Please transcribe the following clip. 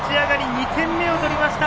２点目を取りました！